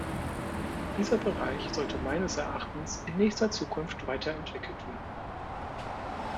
Dieser Bereich sollte meines Erachtens in nächster Zukunft weiter entwickelt werden.